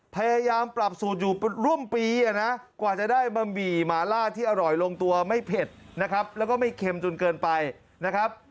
พยายามปรับสูตรอยู่ร่วมปีอ่ะนะกว่าจะได้บะหมี่หมาล่าที่อร่อยลงตัวไม่เผ็ดนะครับแล้วก็ไม่เค็มจนเกินไปนะครับ